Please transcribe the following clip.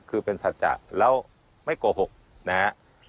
คือเป็นสัตว์จักรแล้วไม่โกหกนะฮะ